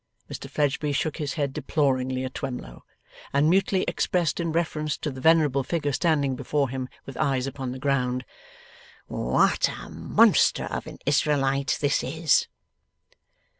Mr Fledgeby shook his head deploringly at Twemlow, and mutely expressed in reference to the venerable figure standing before him with eyes upon the ground: 'What a Monster of an Israelite this is!